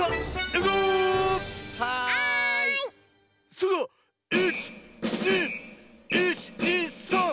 それでは１２１２３！